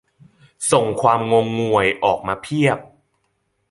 "ส่งความงงงวยออกมาเพียบ"